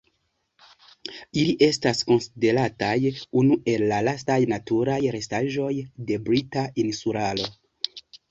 Ili estas konsiderataj unu el la lastaj naturaj restaĵoj de Brita Insularo.